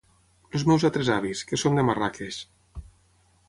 Els meus altres avis, que són de Marràqueix.